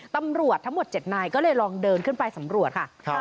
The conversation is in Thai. ตำรวจทั้งหมด๗นายก็เลยลองเดินขึ้นไปสำรวจค่ะ